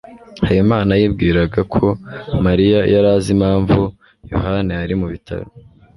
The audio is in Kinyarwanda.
habimana yibwiraga ko mariya yari azi impamvu yohana yari mu bitaro